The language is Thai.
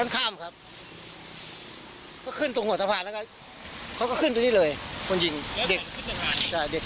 ข้ามครับก็ขึ้นตรงหัวสะพานแล้วก็เขาก็ขึ้นตรงนี้เลยคนยิงเด็ก